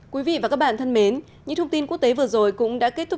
quý vị và các bạn thân mến những thông tin quốc tế vừa rồi cũng đã kết thúc